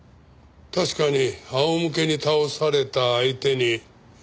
確かに仰向けに倒された相手に。